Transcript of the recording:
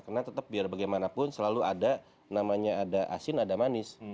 karena tetap biar bagaimanapun selalu ada namanya ada asin ada manis